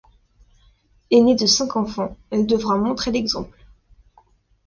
Aînée de cinq enfants, elle devra montrer l'exemple.